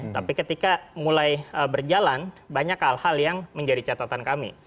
tapi ketika mulai berjalan banyak hal hal yang menjadi catatan kami